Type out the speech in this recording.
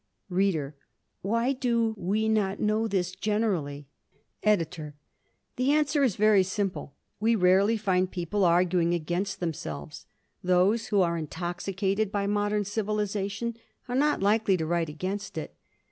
READER: Why do we not know this generally? EDITOR: The answer is very simple. We rarely find people arguing against themselves. Those who are intoxicated by modern civilization are not likely to write against it.